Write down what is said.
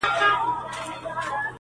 هينداره وي چي هغه راسي خو بارانه نه يې.